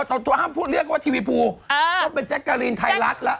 ตอนตัวห้ามพูดเรียกว่าทีวีพูก็เป็นแจ็กเกอรีนไทยรัฐล่ะ